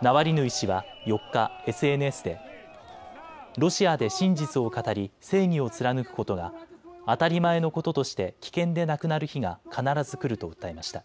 ナワリヌイ氏は４日、ＳＮＳでロシアで真実を語り正義を貫くことが当たり前のこととして危険でなくなる日が必ず来ると訴えました。